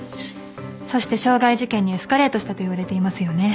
そして傷害事件にエスカレートしたといわれていますよね。